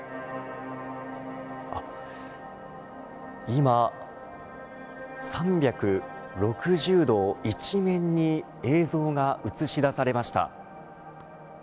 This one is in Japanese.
今、３６０度１面に映像が映し出されました。